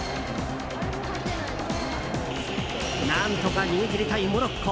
何とか逃げ切りたいモロッコ。